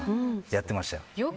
やってましたよ。